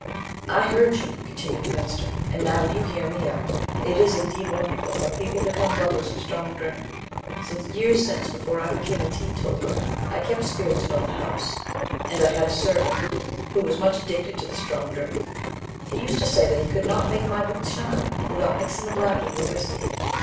"I heard you," continued the minister, "and now you hear me out. It is indeed wonderful how people become lovers of strong drink. Some years since, before I became a teetotaller I kept spirits about the house, and I had a servant who was much addicted to strong drink. He used to say that he could not make my boots shine, without mixing the blacking with whiskey.